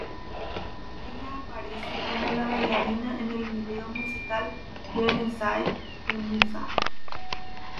Ella aparece como la bailarina en el video musical "Dead Inside" de musa.